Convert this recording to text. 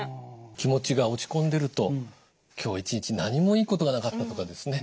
気持ちが落ち込んでると「今日一日何もいいことがなかった」とかですね